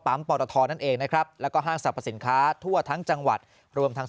ปรทนั่นเองนะครับแล้วก็ห้างสรรพสินค้าทั่วทั้งจังหวัดรวมทั้ง